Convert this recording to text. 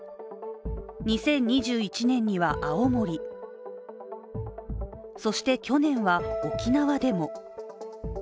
２０２１年には青森、そして去年は沖縄でも。